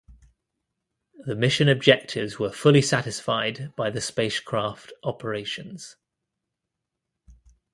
The mission objectives were fully satisfied by the spacecraft operations.